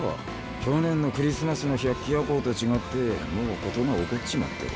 去年のクリスマスの百鬼夜行と違ってもう事が起こっちまってる。